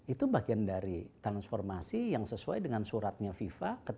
itu bagian dari transformasi yang sesuai dengan keinginan